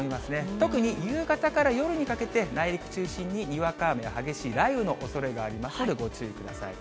特に夕方から夜にかけて、内陸中心ににわか雨や激しい雷雨のおそれがありますので、ご注意ください。